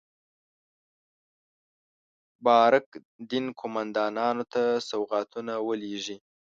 بارک دین قوماندانانو ته سوغاتونه ولېږي.